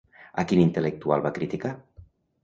A quin intel·lectual va criticar?